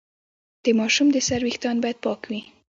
د ماشوم د سر ویښتان باید پاک وي۔